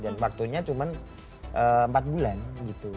dan waktunya cuma empat bulan gitu